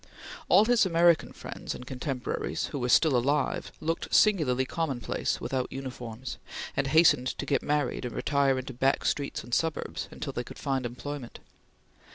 All his American friends and contemporaries who were still alive looked singularly commonplace without uniforms, and hastened to get married and retire into back streets and suburbs until they could find employment.